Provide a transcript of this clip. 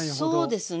そうですね。